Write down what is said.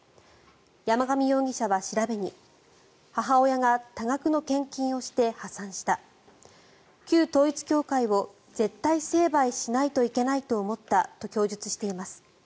山上容疑者は調べに母親が多額の献金をして破産した旧統一教会を絶対成敗しないといけないと思ったと供述しています。